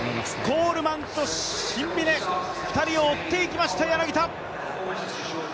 コールマンとシンビネ、２人を追っていきました柳田。